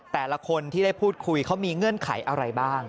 แต่ละคนที่ได้พูดคุยเขามีเงื่อนไขอะไรบ้าง